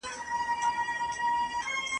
لکه نسیم د ګل پر پاڼوپانو ونڅېدم ..